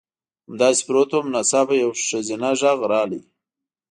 همداسې پروت وم او ناڅاپه یو ښځینه غږ راغی